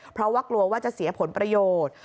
เพราะว่ากลัวว่าจะเสียผลประโยชน์